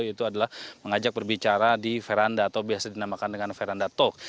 itu adalah mengajak berbicara di veranda atau biasa dinamakan dengan veranda talk